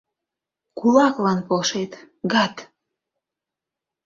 — Кулаклан полшет, гад!